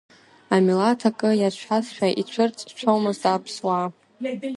Амилаҭ акы иацәшәазшәа ицәырҵцәомызт, аԥсуаа…